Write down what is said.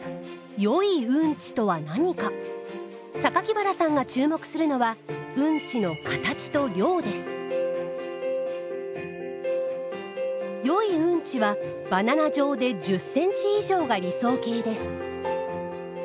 原さんが注目するのは良いうんちはバナナ状で１０ｃｍ以上が理想形です。